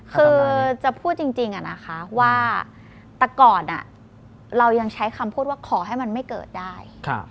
คือจะพูดจริงอะนะคะว่าแต่ก่อนเรายังใช้คำพูดว่าขอให้มันไม่เกิดได้